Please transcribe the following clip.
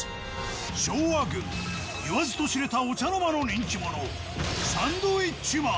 昭和軍、言わずと知れたお茶の間の人気者、サンドウィッチマン。